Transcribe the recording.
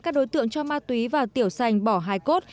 các đối tượng cho ma túy vào tiểu sành bỏ hai cốt